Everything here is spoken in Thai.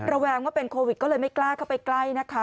แวงว่าเป็นโควิดก็เลยไม่กล้าเข้าไปใกล้นะคะ